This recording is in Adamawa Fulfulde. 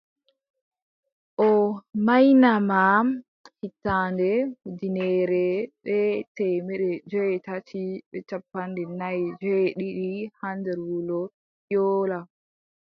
O maynaama hitaande ujineere bee temeɗɗe joweetati bee cappanɗe nay e joweeɗiɗi haa nder wuro Ƴoola.